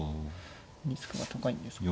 リスクが高いんですか。